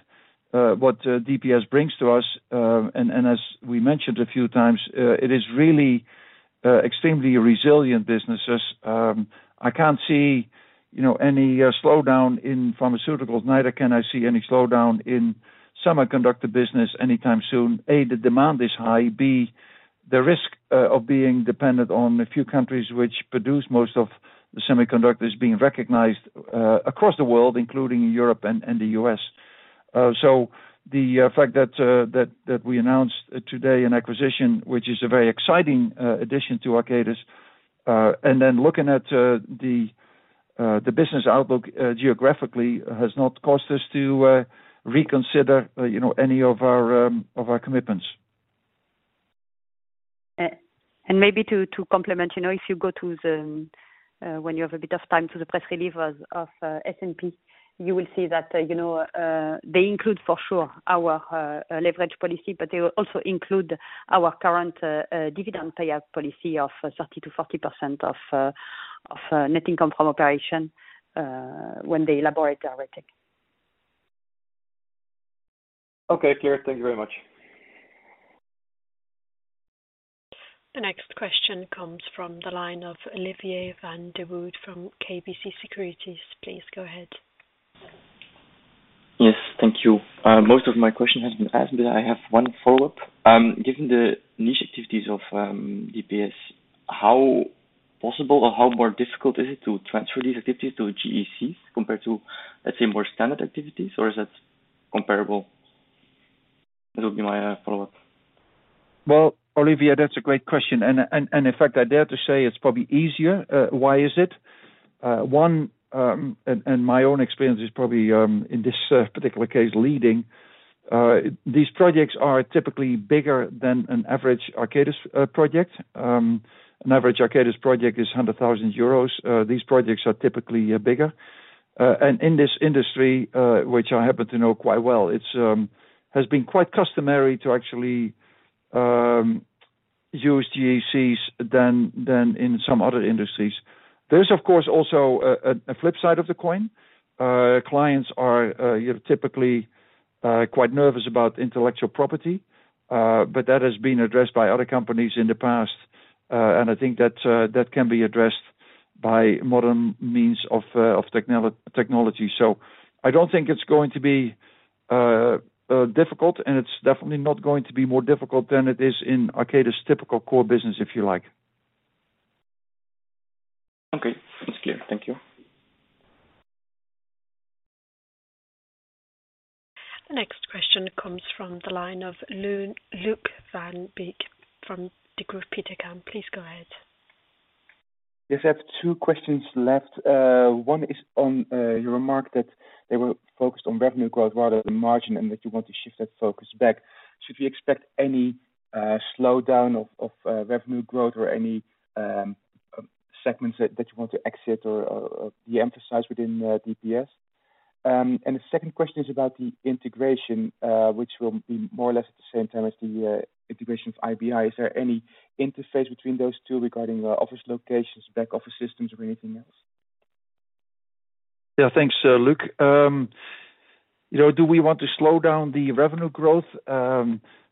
[SPEAKER 3] what DPS brings to us, and as we mentioned a few times, it is really extremely resilient businesses. I can't see any slowdown in pharmaceuticals, neither can I see any slowdown in semiconductor business anytime soon. A, the demand is high. B, the risk of being dependent on a few countries which produce most of the semiconductors being recognized across the world, including Europe and the US. The fact that we announced today an acquisition, which is a very exciting addition to Arcadis, and then looking at the business outlook geographically has not caused us to reconsider any of our commitments.
[SPEAKER 4] Maybe to complement if you go to the, when you have a bit of time, to the press release of S&P, you will see that they include for sure our leverage policy, but they will also include our current dividend payout policy of 30%-40% of net income from operation when they elaborate our rating.
[SPEAKER 7] Okay. Clear. Thank you very much.
[SPEAKER 1] The next question comes from the line of Kristof Samoy from KBC Securities. Please go ahead.
[SPEAKER 8] Yes. Thank you. Most of my question has been asked, but I have one follow-up. Given the niche activities of DPS, how possible or how more difficult is it to transfer these activities to GECs compared to, let's say, more standard activities? Or is that comparable? That would be my follow-up.
[SPEAKER 3] Well, Kristof Samoy, that's a great question. In fact, I dare to say it's probably easier. Why is it? One, my own experience is probably in this particular case leading. These projects are typically bigger than an average Arcadis project. An average Arcadis project is 100,000 euros. These projects are typically bigger. In this industry, which I happen to know quite well, it has been quite customary to actually use GECs than in some other industries. There is, of course, also a flip side of the coin. Clients are typically quite nervous about intellectual property, but that has been addressed by other companies in the past. I think that can be addressed by modern means of technology. I don't think it's going to be difficult, and it's definitely not going to be more difficult than it is in Arcadis' typical core business, if you like.
[SPEAKER 8] Okay. That's clear. Thank you.
[SPEAKER 1] The next question comes from the line of Luuk van Beek from Degroof Petercam. Please go ahead.
[SPEAKER 9] Yes, I have two questions left. One is on your remark that they were focused on revenue growth rather than margin and that you want to shift that focus back. Should we expect any slowdown of revenue growth or any segments that you want to exit or de-emphasize within DPS? The second question is about the integration, which will be more or less at the same time as the integration of IBI. Is there any interface between those two regarding the office locations, back office systems, or anything else?
[SPEAKER 3] Yeah. Thanks, Luuk. You know, do we want to slow down the revenue growth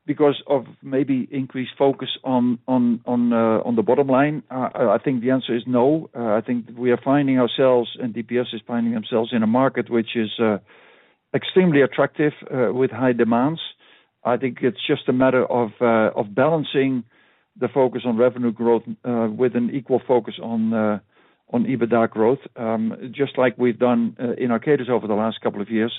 [SPEAKER 3] because of maybe increased focus on the bottom line? I think the answer is no. I think we are finding ourselves, and DPS is finding themselves in a market which is extremely attractive with high demands. I think it's just a matter of balancing the focus on revenue growth with an equal focus on EBITDA growth. Just like we've done in Arcadis over the last couple of years.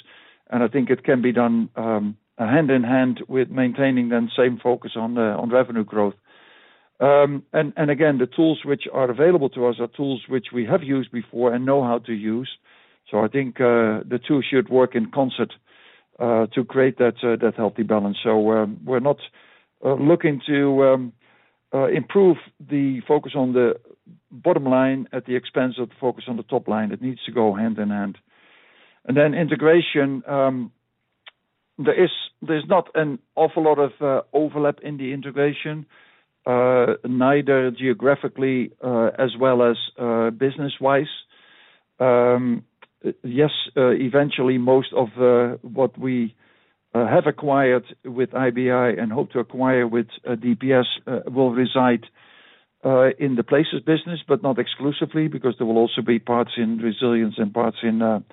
[SPEAKER 3] I think it can be done hand in hand with maintaining the same focus on revenue growth. Again, the tools which are available to us are tools which we have used before and know how to use. I think the two should work in concert to create that healthy balance. We're not looking to improve the focus on the bottom line at the expense of the focus on the top line. It needs to go hand in hand. Then integration, there's not an awful lot of overlap in the integration, neither geographically, as well as business-wise. Yes, eventually most of what we have acquired with IBI and hope to acquire with DPS will reside in the Places business, but not exclusively because there will also be parts in Resilience and parts in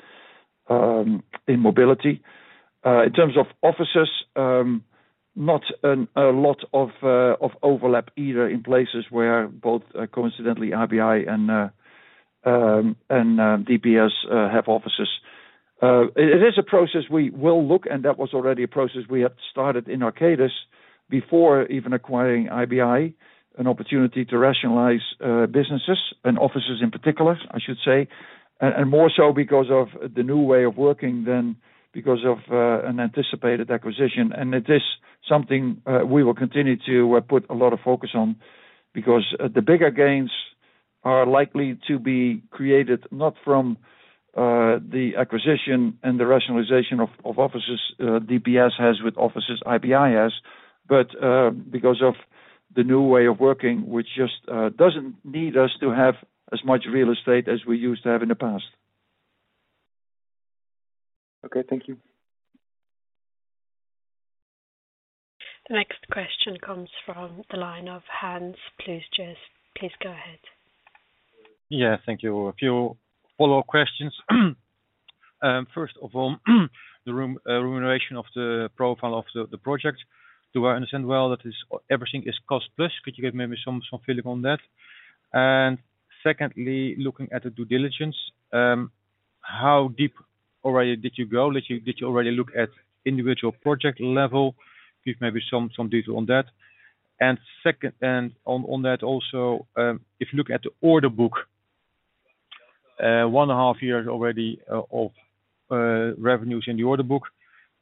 [SPEAKER 3] Mobility. In terms of offices, not a lot of overlap either in places where both coincidentally IBI and DPS have offices. It is a process we will look, and that was already a process we had started in Arcadis before even acquiring IBI, an opportunity to rationalize businesses and offices in particular, I should say. More so because of the new way of working than because of an anticipated acquisition. It is something we will continue to put a lot of focus on because the bigger gains are likely to be created not from the acquisition and the rationalization of offices DPS has with offices IBI has, but because of the new way of working which just doesn't need us to have as much real estate as we used to have in the past.
[SPEAKER 9] Okay. Thank you.
[SPEAKER 1] The next question comes from the line of Hans Pluijgers. Please go ahead.
[SPEAKER 5] Yeah. Thank you. A few follow-up questions. First of all, the remuneration of the profile of the project. Do I understand well that everything is cost plus? Could you give maybe some feeling on that? Secondly, looking at the due diligence, how deep already did you go? Did you already look at individual project level? Give maybe some detail on that. Second, on that also, if you look at the order book, 1.5 years already of revenues in the order book,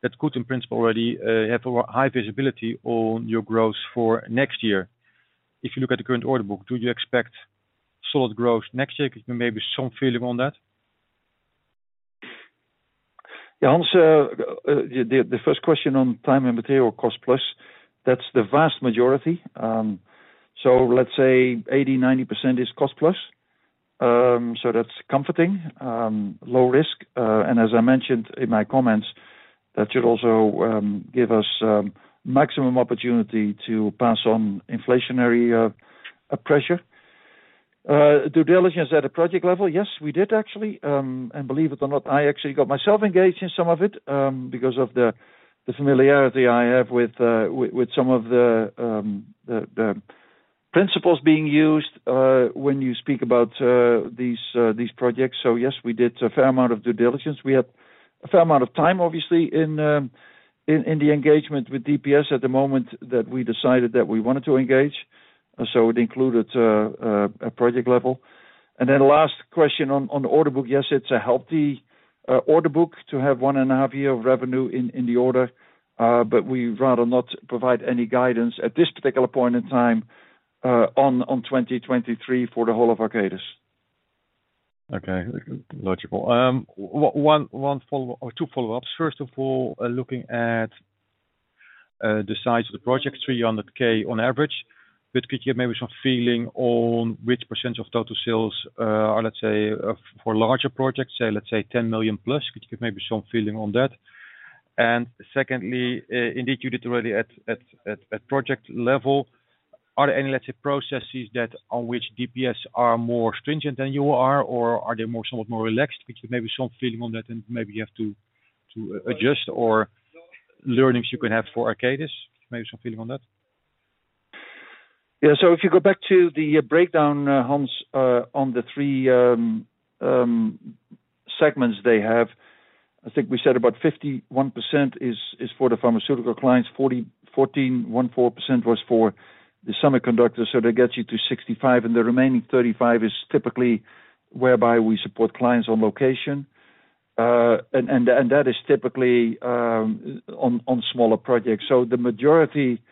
[SPEAKER 5] that could in principle already have a high visibility on your growth for next year. If you look at the current order book, do you expect solid growth next year? Give maybe some feeling on that.
[SPEAKER 3] Yeah. Hans, the first question on time and material cost plus, that's the vast majority. Let's say 80%-90% is cost plus. That's comforting. Low risk. As I mentioned in my comments, that should also give us maximum opportunity to pass on inflationary pressure. Due diligence at a project level, yes, we did actually. Believe it or not, I actually got myself engaged in some of it, because of the familiarity I have with some of the principles being used when you speak about these projects. Yes, we did a fair amount of due diligence. We had a fair amount of time, obviously, in the engagement with DPS at the moment that we decided that we wanted to engage. It included a project level. Last question on the order book. It's a healthy order book to have 1.5 year of revenue in the order book, but we'd rather not provide any guidance at this particular point in time on 2023 for the whole of Arcadis.
[SPEAKER 5] Okay. Logical. One or two follow-ups. First of all, looking at the size of the project, 300,000 on average. Could you give maybe some feeling on what % of total sales are, let's say, for larger projects, say 10 million plus? Could you give maybe some feeling on that? Secondly, indeed, you did already at project level. Are there any, let's say, processes on which DPS are more stringent than you are, or are they more relaxed? Could you give maybe some feeling on that and maybe you have to adjust or learnings you can have for Arcadis? Maybe some feeling on that.
[SPEAKER 3] Yeah. If you go back to the breakdown, Hans, on the 3 segments they have, I think we said about 51% is for the pharmaceutical clients. 14.4% was for the semiconductors, so that gets you to 65%, and the remaining 35% is typically whereby we support clients on location. That is typically on smaller projects. The majority,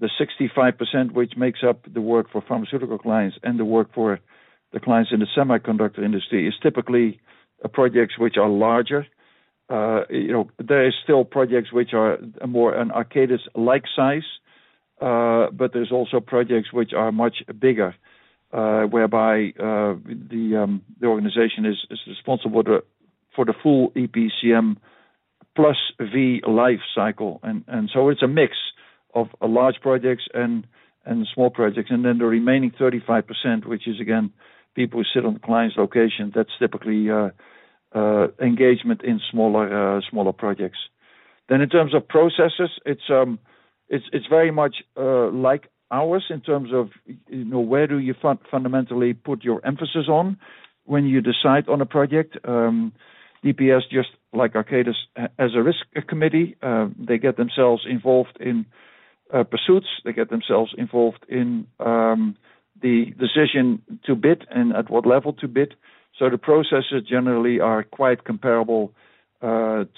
[SPEAKER 3] the 65% which makes up the work for pharmaceutical clients and the work for the clients in the semiconductor industry, is typically projects which are larger. You know, there is still projects which are more an Arcadis-like size, but there's also projects which are much bigger, whereby the organization is responsible for the full EPCM plus the life cycle. It's a mix of large projects and small projects. The remaining 35%, which is again people who sit on the client's location. That's typically engagement in smaller projects. In terms of processes, it's very much like ours in terms of where do you fundamentally put your emphasis on when you decide on a project. DPS just like Arcadis has a risk committee. They get themselves involved in pursuits. They get themselves involved in the decision to bid and at what level to bid. The processes generally are quite comparable to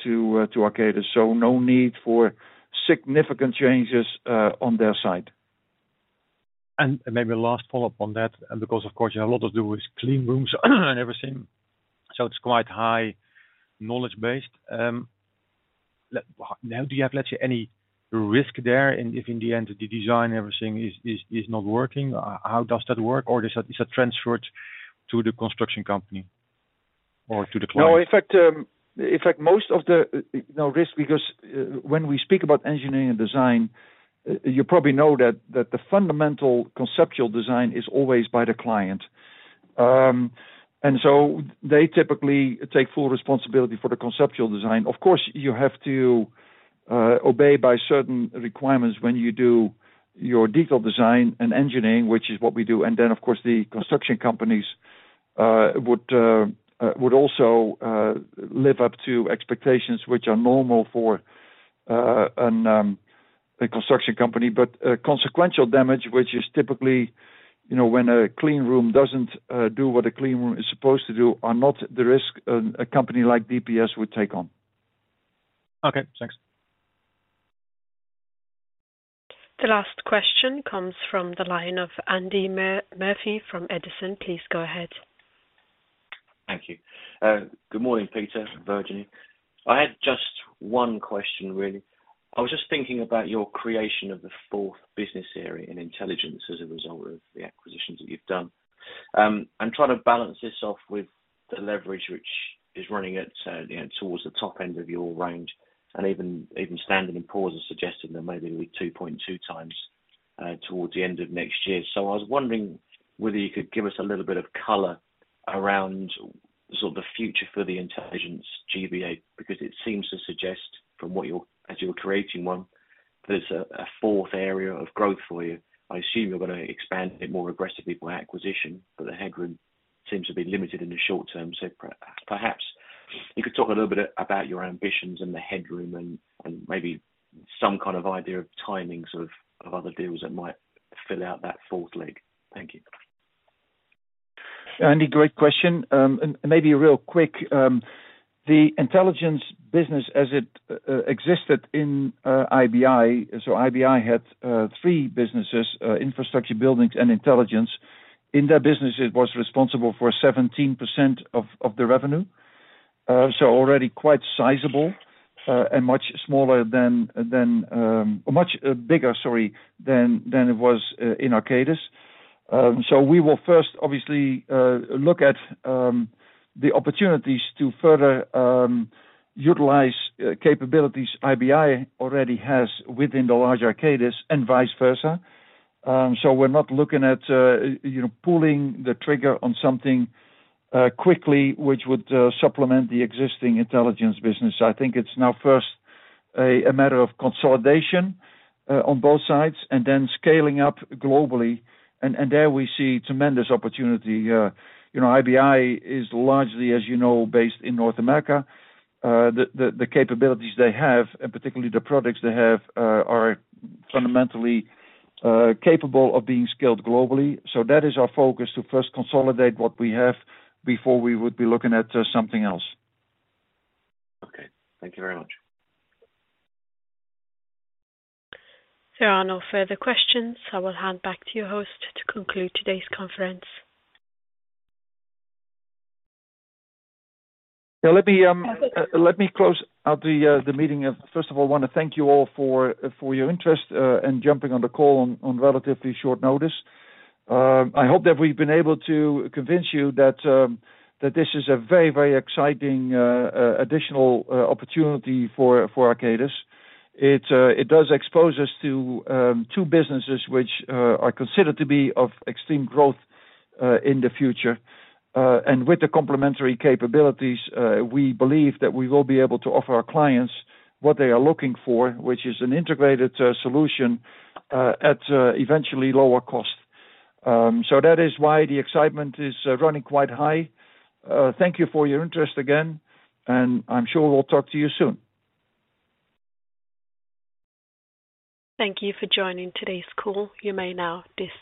[SPEAKER 3] Arcadis. No need for significant changes on their side.
[SPEAKER 5] Maybe last follow-up on that, and because of course you have a lot to do with clean rooms and everything, so it's quite high knowledge-based. How do you have, let's say, any risk there if in the end of the design everything is not working, how does that work? Or is that transferred to the construction company or to the client?
[SPEAKER 3] No, in fact, most of the risk because, when we speak about engineering and design, you probably know that the fundamental conceptual design is always by the client. They typically take full responsibility for the conceptual design. Of course, you have to abide by certain requirements when you do your detailed design and engineering, which is what we do. Then, of course, the construction companies would also live up to expectations which are normal for a construction company. Consequential damage, which is typically when a clean room doesn't do what a clean room is supposed to do are not the risk a company like DPS would take on.
[SPEAKER 5] Okay, thanks.
[SPEAKER 1] The last question comes from the line of Andy Murphy from Edison. Please go ahead.
[SPEAKER 10] Thank you. Good morning, Peter, Virginie. I had just one question, really. I was just thinking about your creation of the fourth business area in Intelligence as a result of the acquisitions that you've done. I'm trying to balance this off with the leverage which is running at towards the top end of your range. Even S&P is suggesting that maybe with 2.2 times towards the end of next year. I was wondering whether you could give us a little bit of color around sort of the future for the Intelligence GBA, because it seems to suggest from what you're as you're creating one, there's a fourth area of growth for you. I assume you're gonna expand it more aggressively by acquisition, but the headroom seems to be limited in the short term. Perhaps you could talk a little bit about your ambitions and the headroom and maybe some kind of idea of timings of other deals that might fill out that fourth leg. Thank you.
[SPEAKER 3] Andy, great question. Maybe real quick, the intelligence business as it existed in IBI. IBI had three businesses: infrastructure, buildings and intelligence. In their business, it was responsible for 17% of the revenue. Already quite sizable, and much bigger, sorry, than it was in Arcadis. We will first obviously look at the opportunities to further utilize capabilities IBI already has within the large Arcadis and vice versa. We're not looking at you know, pulling the trigger on something quickly, which would supplement the existing intelligence business. I think it's now first a matter of consolidation on both sides and then scaling up globally. There we see tremendous opportunity. You know, IBI is largely, as you know, based in North America. The capabilities they have, and particularly the products they have, are fundamentally capable of being scaled globally. That is our focus to first consolidate what we have before we would be looking at something else.
[SPEAKER 10] Okay. Thank you very much.
[SPEAKER 1] There are no further questions. I will hand back to your host to conclude today's conference.
[SPEAKER 3] Yeah, let me close out the meeting. First of all, I wanna thank you all for your interest in jumping on the call on relatively short notice. I hope that we've been able to convince you that this is a very, very exciting additional opportunity for Arcadis. It does expose us to two businesses which are considered to be of extreme growth in the future. With the complementary capabilities, we believe that we will be able to offer our clients what they are looking for, which is an integrated solution at eventually lower cost. That is why the excitement is running quite high. Thank you for your interest again, and I'm sure we'll talk to you soon.
[SPEAKER 1] Thank you for joining today's call. You may now disconnect.